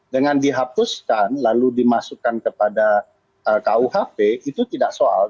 dengan dihapuskan lalu dimasukkan kepada kuhp itu tidak soal